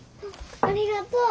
ありがとう。